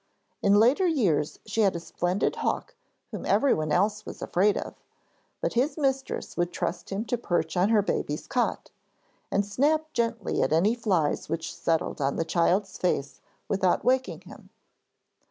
In later years she had a splendid hawk whom everyone else was afraid of, but his mistress would trust him to perch on her baby's cot, and snap gently at any flies which settled on the child's face without waking him.